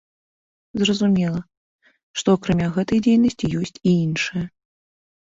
Зразумела, што акрамя гэтай дзейнасці ёсць і іншая.